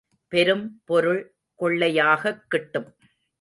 பெரும் பொருள் கொள்ளையாகக் கிட்டும்.